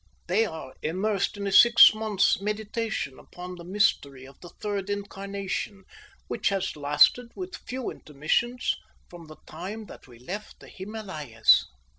They are immersed in a six months' meditation upon the mystery of the third incarnation, which has lasted with few intermissions from the time that we left the Himalayas.